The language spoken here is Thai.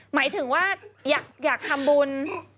หมายถึงว่าอยากทำบุญ